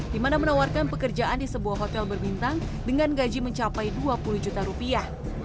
di mana menawarkan pekerjaan di sebuah hotel berbintang dengan gaji mencapai dua puluh juta rupiah